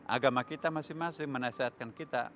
agama kita masing masing menasehatkan kita